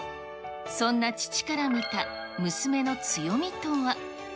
そんな父から見た娘の強みとは。